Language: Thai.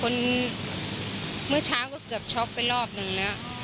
เมื่อเช้าก็เกือบช็อกไปรอบนึงแล้ว